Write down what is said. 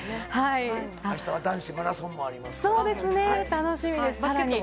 明日は男子マラソンもありますから。